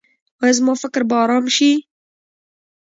ایا زما فکر به ارام شي؟